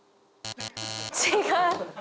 違う？